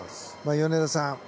米田さん